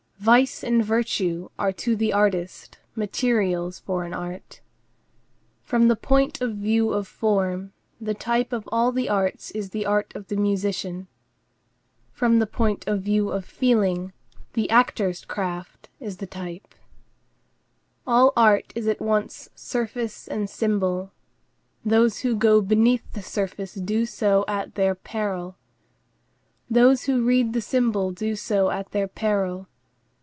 Vice and virtue are to the artist materials for an art. From the point of view of form, the type of all the arts is the art of the musician. From the point of view of feeling, the actor's craft is the type. All art is at once surface and symbol. Those who go beneath the surface do so at their peril. Those who read the symbol do so at their peril.